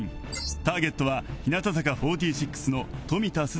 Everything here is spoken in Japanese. ターゲットは日向坂４６の富田鈴